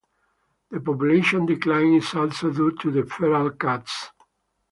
The population decline is also due to feral cats.